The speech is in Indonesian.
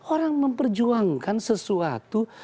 orang memperjuangkan sesuatu